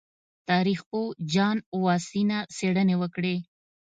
تاریخ پوه جان واسینا څېړنې وکړې.